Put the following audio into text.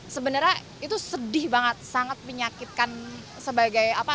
sebenarnya itu sedih banget sangat menyakitkan sebagai apa